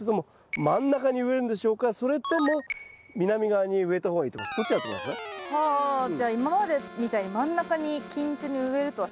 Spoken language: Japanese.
それとも南側に植えた方がいいと思うかどっちだと思います？はあ。じゃあ今までみたいに真ん中に均一に植えるとは違うんですね。